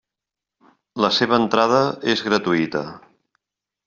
La seva entrada és gratuïta.